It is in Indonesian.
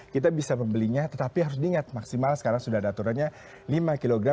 kita bisa membelinya tetapi harus diingat maksimal sekarang sudah ada aturannya lima kg